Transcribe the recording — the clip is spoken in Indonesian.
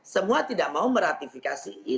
semua tidak mau meratifikasi